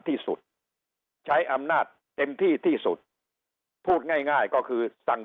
ที่สุดใช้อำนาจเต็มที่ที่สุดพูดง่ายง่ายก็คือสั่ง